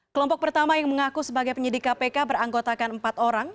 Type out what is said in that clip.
kelompok pertama yang mengaku sebagai penyidik kpk beranggotakan empat orang